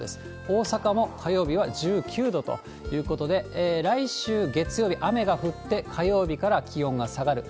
大阪も火曜日は１９度ということで、来週月曜日、雨が降って、火曜日から気温が下がる。